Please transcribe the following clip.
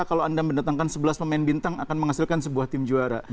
kalau anda mendatangkan sebelas pemain bintang akan menghasilkan sebuah tim juara